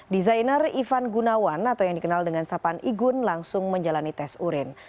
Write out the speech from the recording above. desainer ivan gunawan atau yang dikenal dengan sapan igun langsung menjalani tes urin